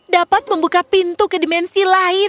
dapat membuka pintu ke dimensi lain